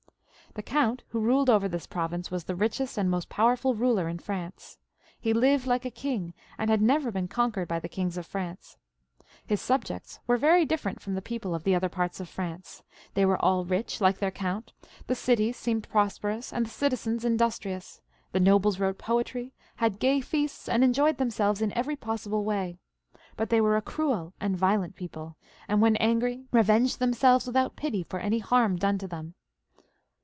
The count who ruled over this province was the richest and most powerful ruler in France. He lived like a king, and had never been con quered by the kings of France. His subjects were very different from the people of the other parts of France ; they were all rich like their count, the cities seemed prosperous and the citizens industrious ; the nobles wrote poetry, had gay leasts, and enjoyed themselves in every possible way. But they were a cruel and violent people, and when angry revenged themselves without pity for any harm done to them.